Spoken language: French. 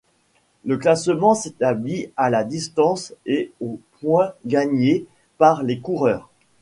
Le classement s’établit à la distance et aux points gagnés par les coureurs.